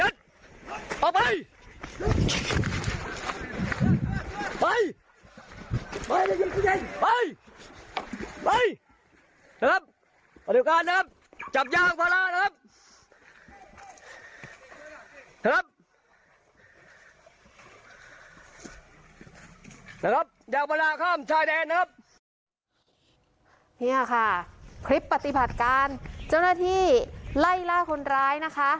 นะครับอยากเวลาข้ามชายแดนนะครับนี่ค่ะค่ะคลิปปฏิบัติการเจ้าหน้าที่ไล่ล่าคนร้ายนะคะ